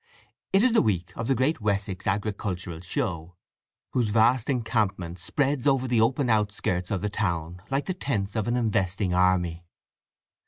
It is the week of the Great Wessex Agricultural Show, whose vast encampment spreads over the open outskirts of the town like the tents of an investing army.